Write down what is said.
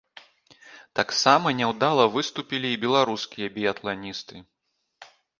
Таксама няўдала выступілі і беларускія біятланісты.